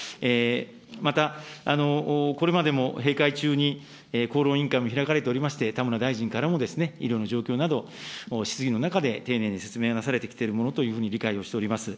またこれまでも閉会中に厚労委員会も開かれておりまして、田村大臣からも医療の状況など、質疑の中で丁寧に説明がなされてきているものというふうに理解をしております。